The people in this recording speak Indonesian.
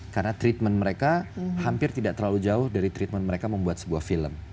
karena treatment mereka hampir tidak terlalu jauh dari treatment mereka membuat sebuah film